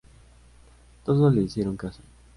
Todos le hicieron caso.